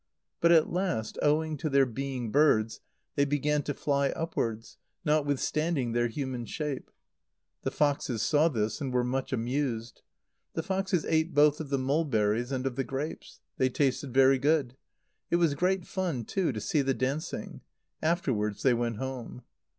But at last, owing to their being birds, they began to fly upwards, notwithstanding their human shape. The foxes saw this, and were much amused. The foxes ate both of the mulberries and of the grapes. They tasted very good. It was great fun, too, to see the dancing. Afterwards they went home.